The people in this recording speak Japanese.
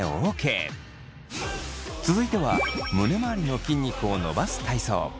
続いては胸まわりの筋肉を伸ばす体操。